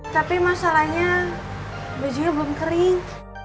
tapi masalahnya bijinya belum kering